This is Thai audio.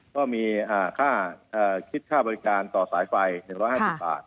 ก็มีค่าคิดค่าบริการต่อสายไฟ๑๕๐บาท